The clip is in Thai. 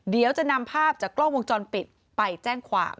เดี๋ยวจะนำภาพจากกล้องวงจรปิดไปแจ้งความ